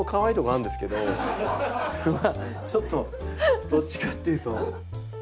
ちょっとどっちかっていうと。